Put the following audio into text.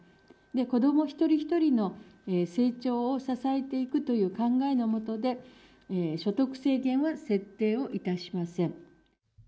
子ども一人一人の成長を支えていくという考えの下で、所得制限は設定をいたしません。